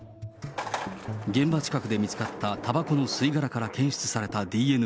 現場近くで見つかったたばこの吸い殻から検出されたＤＮＡ。